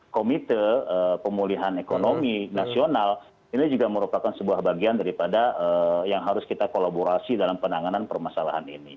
komite pemulihan ekonomi nasional ini juga merupakan sebuah bagian daripada yang harus kita kolaborasi dalam penanganan permasalahan ini